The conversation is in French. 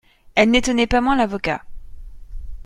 Elles n'étonnaient pas moins l'avocat.